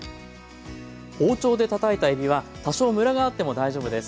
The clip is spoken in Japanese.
包丁でたたいたえびは多少むらがあっても大丈夫です。